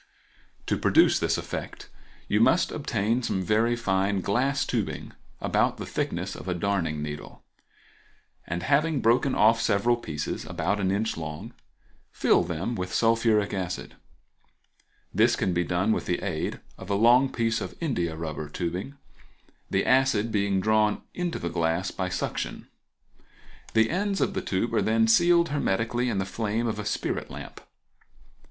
To produce this effect you must obtain some very fine glass tubing about the thickness of a darning needle, and having broken off several pieces about an inch long, fill them with sulphuric acid. This can be done with the aid of a long piece of india rubber tubing, the acid being drawn into the glass by suction. The ends of the tube are then sealed hermetically in the flame of a spirit lamp.